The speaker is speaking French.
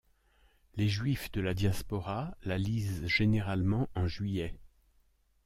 Les Juifs de la Diaspora la lisent généralement en juillet.